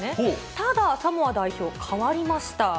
ただ、サモア代表、変わりました。